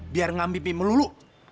biar ngambil mimpi melulu